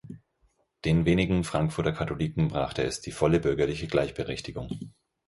Den wenigen Frankfurter Katholiken brachte es die volle bürgerliche Gleichberechtigung.